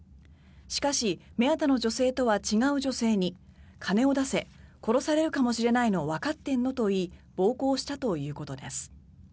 しかし目当ての女性とは違う女性に金を出せ殺されるかもしれないのわかってんのと言い暴行したということです。